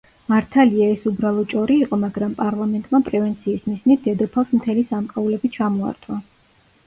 მართალია ეს უბრალო ჭორი იყო, მაგრამ პარლამენტმა პრევენციის მიზნით დედოფალს მთელი სამკაულები ჩამოართვა.